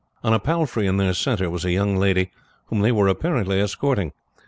On a palfrey in their centre was a young lady whom they were apparently escorting.